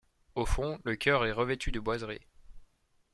Au fond, le chœur est revêtu de boiseries.